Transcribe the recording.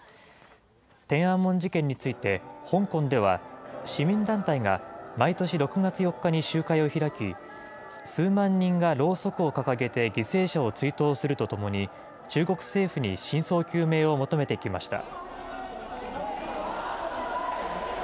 天安門事件について、香港では、市民団体が毎年６月４日に集会を開き、数万人がろうそくを掲げて犠牲者を追悼するとともに、中国政府に真相究明を求めてきました。